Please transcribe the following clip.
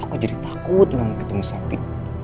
aku jadi takut ketemu sapi